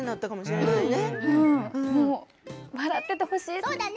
もう笑っててほしい。